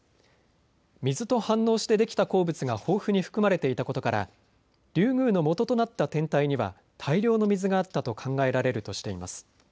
水と反応してできた鉱物が豊富に含まれていたことからリュウグウの元となった天体には大量の水があったと考えられるとしています。